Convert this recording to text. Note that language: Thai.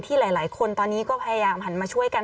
หลายคนตอนนี้ก็พยายามหันมาช่วยกัน